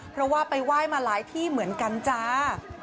เพราะว่าไปไหว้มาหลายที่เหมือนกันจ้า